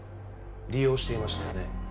利用していましたよね？